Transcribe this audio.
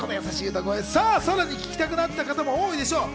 さらに聴きたくなった方も多いでしょう。